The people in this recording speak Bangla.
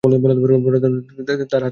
তার হাতে ছিল ধনুক।